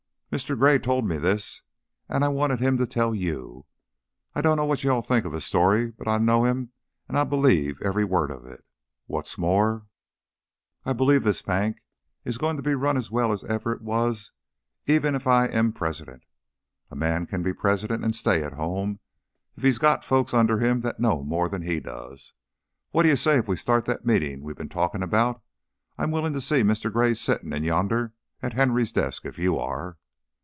"Mr. Gray told me this, an' I wanted him to tell it to you. I dunno what you all think of his story, but I know him an' I believe every word of it. What's more, I believe this bank is goin' to be run as well as ever it was even if I am president. A man can be president an' stay at home, if he's got folks under him that know more than he does. What d'you say if we start that meetin' we been talkin' about? I'm willing to see Mr. Gray settin' in yonder at Henry's desk if you are."